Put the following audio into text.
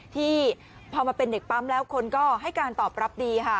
ที่พอมาเป็นเด็กปั๊มแล้วคนก็ให้การตอบรับดีค่ะ